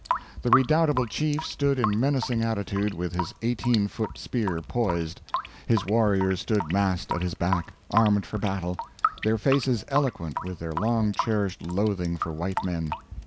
The redoubtable chief stood in menacing attitude, with his eighteen foot spear poised; his warriors stood massed at his back, armed for battle, their faces eloquent with their long cherished loathing for white men.